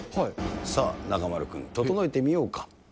さあ、中丸君、整えてみようか。